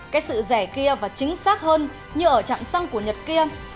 cái sự rẻ kia và chính xác hơn như ở trạm xăng của nhật kia